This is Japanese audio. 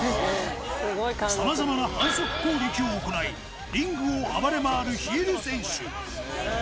さまざまな反則攻撃を行いリングを暴れ回るヒール選手。